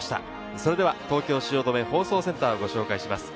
それでは東京・汐留放送センターをご紹介します。